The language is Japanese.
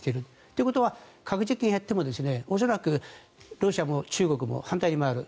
ということは核実験をやっても恐らく、ロシアも中国も反対に回る。